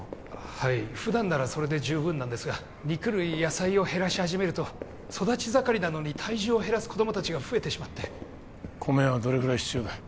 はい普段ならそれで十分なんですが肉類野菜を減らし始めると育ち盛りなのに体重を減らす子供達が増えてしまって米はどれぐらい必要だ？